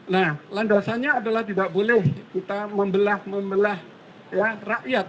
nah landasannya adalah tidak boleh kita membelah membelah rakyat